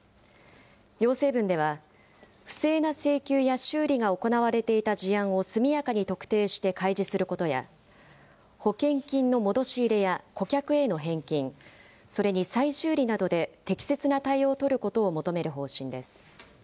要請文では、不正な請求や修理が行われていた事案を速やかに特定して開示することや、保険金の戻し入れや顧客への返金、それに再修理などで適切な対応を取ることを求める方針です。